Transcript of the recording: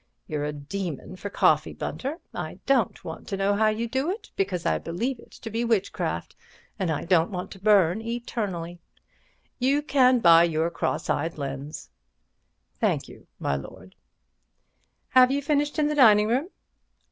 You're a demon for coffee, Bunter—I don't want to know how you do it, because I believe it to be witchcraft, and I don't want to burn eternally. You can buy your cross eyed lens." "Thank you, my lord." "Have you finished in the dining room?"